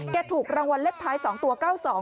แกถูกรางวัลเล็กท้าย๒ตัว๙๒บาท